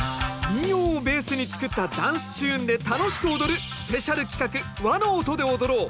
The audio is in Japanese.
民謡をベースに作ったダンスチューンで楽しく踊るスペシャル企画「和の音で踊ろう」。